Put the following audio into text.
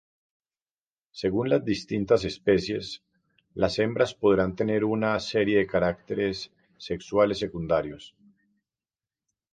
Según las distintas especies, las hembras podrán tener una serie de caracteres sexuales secundarios.